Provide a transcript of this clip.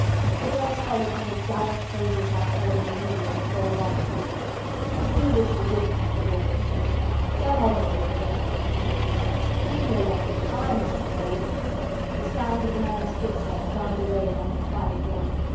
The girls followed him as gallant soldiers might follow the leader of a forlorn hope. "I do wish you wouldn't," was all they said. "Go home if you're afraid," said Peter; "leave me alone. I'M not afraid." The sound of the man's footsteps died away along the quiet road.